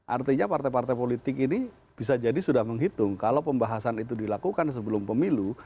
artinya partai partai politik ini bisa jadi sudah menghitung kalau pembahasan itu dilakukan sebelum pemilu